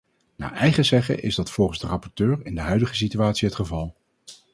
Naar eigen zeggen is dat volgens de rapporteur in de huidige situatie het geval.